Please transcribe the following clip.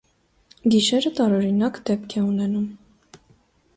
Գիշերը տարօրինակ դեպք է տեղի ունենում։